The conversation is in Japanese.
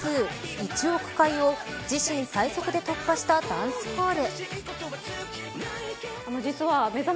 １億回を自身最速で突破したダンスホール。